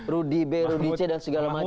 rudi b rudi c dan segala macam